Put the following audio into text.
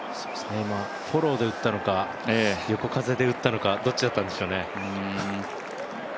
フォローで打ったのか、横風で打ったのか、どっちだったんでしょうね。